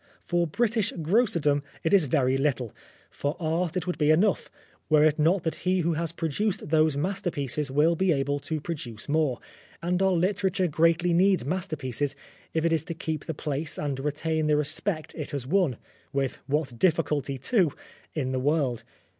For British grocerdom, it is very little ; 267 Oscar Wilde for art it would be enough, were it not that he who has produced those masterpieces will be able to produce more. And our literature greatly needs masterpieces if it is to keep the place and retain the respect it has won (with what difficulty, too !) in the world.